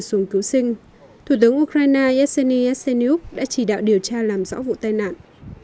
xuồng cứu sinh thủ tướng ukraine yeltsin yeltsinuk đã chỉ đạo điều tra làm rõ vụ tai nạn